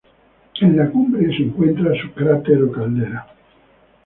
En la cumbre se encuentra su cráter o caldera.